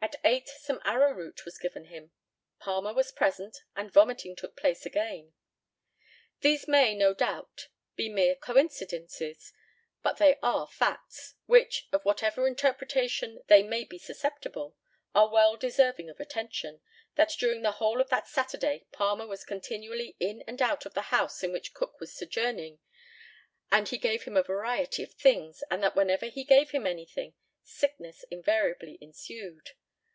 At 8 some arrowroot was given him, Palmer was present, and vomiting took place again. These may, no doubt, be mere coincidences, but they are facts, which, of whatever interpretation they may be susceptible, are well deserving of attention, that during the whole of that Saturday Palmer was continually in and out of the house in which Cook was sojourning; that he gave him a variety of things, and that whenever he gave him anything sickness invariably ensued.